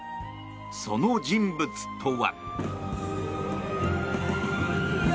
その人物とは。